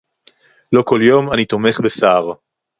לא כל יום אני תומך בסער